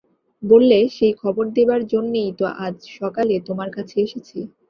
বললে, সেই খবর দেবার জন্যেই তো আজ সকালে তোমার কাছে এসেছি।